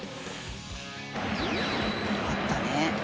「あったね」